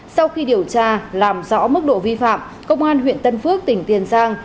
sau khi điều tra làm rõ mức độ vi phạm công an huyện tân phước tỉnh tiền giang